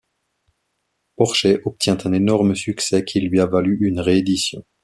Porché obtient un énorme succès qui lui a valu une réédition.